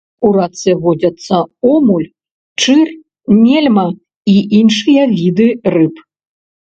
У рацэ водзяцца омуль, чыр, нельма і іншыя віды рыб.